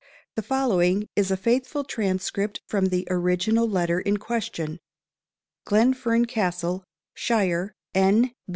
The following is a faithful transcript from the original letter in question; "GLENFERN CASTLE, SHIRE, N.